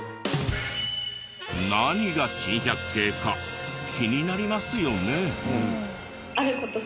何が珍百景か気になりますよね。